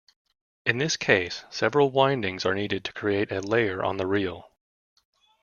In this case, several windings are needed to create a layer on the reel.